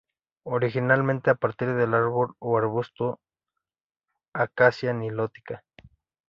Originalmente a partir del árbol o arbusto "Acacia nilotica".